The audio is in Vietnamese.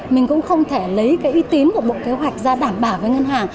mình cũng không thể lấy cái uy tín của bộ kế hoạch ra đảm bảo với ngân hàng